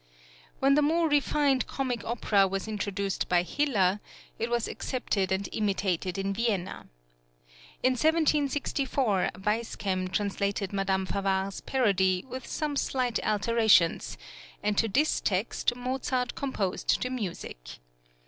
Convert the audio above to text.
When the more refined comic opera was introduced by Hiller, it was accepted and imitated in Vienna. In 1764 Weiskem translated Madame Favart's parody with some slight alterations, and to this text Mozart composed the music.